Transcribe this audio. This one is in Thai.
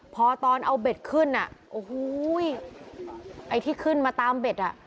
พอตอนเอาเบ็ดขึ้นอ่ะโอ้โหไอ้ที่ขึ้นมาตามเบ็ดอ่ะ